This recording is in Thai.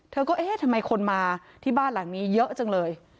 เธอก็เอ๊ะทำไมคนมาที่บ้านหลังนี้เยอะจังเลย